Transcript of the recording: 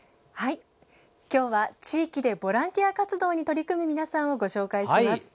今日は、地域でボランティア活動に取り組む皆さんをご紹介します。